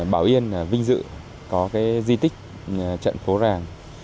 bảo yên vinh dự có di tích trận phố ràng